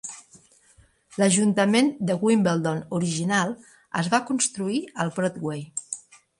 L'ajuntament de Wimbledon original es va construir al Broadway.